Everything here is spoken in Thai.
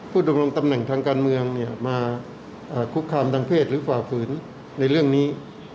ดำรงตำแหน่งทางการเมืองมาคุกคามทางเพศหรือฝ่าฝืนในเรื่องนี้